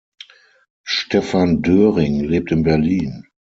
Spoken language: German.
Stefan Döring lebt in Berlin.